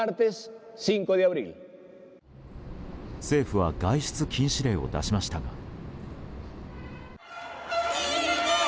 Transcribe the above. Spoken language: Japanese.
政府は外出禁止令を出しましたが。